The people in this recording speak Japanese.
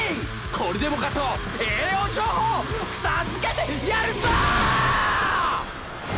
これでもかと栄養情報を授けてやるぞ！